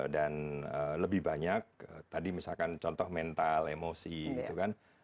dan lebih banyak tadi misalkan contoh mental emosi itu kan